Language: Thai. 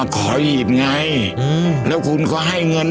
ผมจะมีรูปภาพของพระพิสุนุกรรม